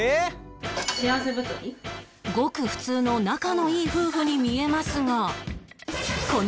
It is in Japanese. ごく普通の仲のいい夫婦に見えますがこの